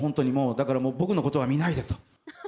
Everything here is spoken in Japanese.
だからもう、僕のことは見ないでと。